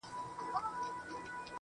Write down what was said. زه یو کندهاری ځوان یم